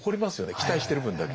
期待してる分だけ。